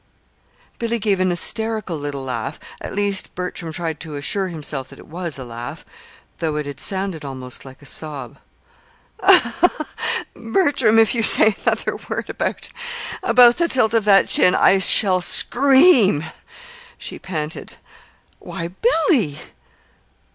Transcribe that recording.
Billy gave an hysterical little laugh at least, Bertram tried to assure himself that it was a laugh, though it had sounded almost like a sob. "Bertram, if you say another word about about the tilt of that chin, I shall scream!" she panted. "Why, Billy!"